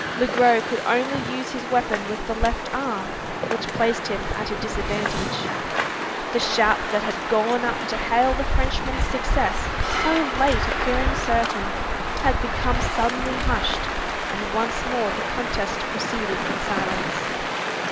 Le Gros could only use his weapon with the left arm; which placed him at a disadvantage. The shouts that had gone up to hail the Frenchman's success so late appearing certain had become suddenly hushed; and once more the contest proceeded in silence.